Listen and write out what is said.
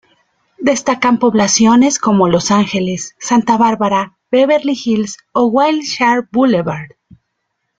Destacan poblaciones como Los Angeles, Santa Barbara, Beverly Hills o Wilshire Boulevard.